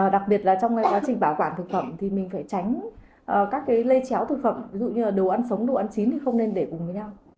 đặc biệt là trong cái quá trình bảo quản thực phẩm thì mình phải tránh các cái lây chéo thực phẩm ví dụ như là đồ ăn sống đồ ăn chín thì không nên để cùng với nhau